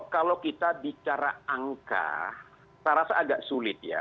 kalau kita bicara angka saya rasa agak sulit ya